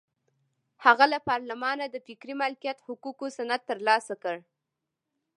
هغه له پارلمانه د فکري مالکیت حقوقو سند ترلاسه کړ.